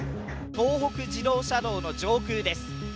東北自動車道の上空です。